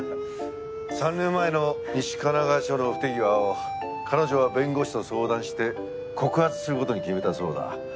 ３年前の西神奈川署の不手際を彼女は弁護士と相談して告発する事に決めたそうだ。